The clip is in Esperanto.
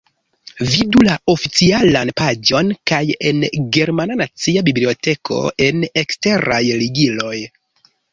Vidu la oficialan paĝon kaj en Germana Nacia Biblioteko en eksteraj ligiloj.